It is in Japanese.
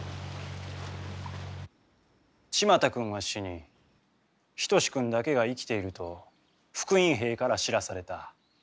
千万太君は死に一君だけが生きていると復員兵から知らされた。